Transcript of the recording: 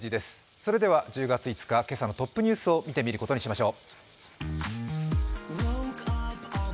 それでは１０月５日、今朝のトップニュースを見てみることにしましょう。